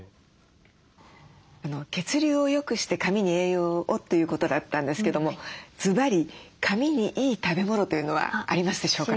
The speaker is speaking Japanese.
血流をよくして髪に栄養をということだったんですけどもずばり髪にいい食べ物というのはありますでしょうか？